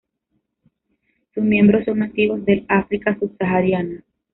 Sus miembros son nativos del África subsahariana.